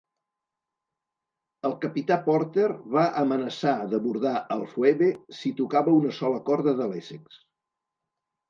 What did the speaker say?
El capità Porter va amenaçar d'abordar el "Phoebe" si tocava una sola corda de l'"Essex".